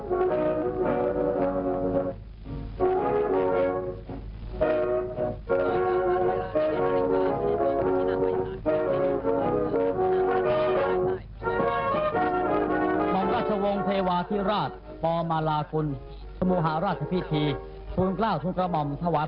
ต่อจากนั้นเวลา๑๑นาฬิกาเศรษฐ์พระราชดำเนินออกหน้าพระธินั่งไพรศาลพักศิลป์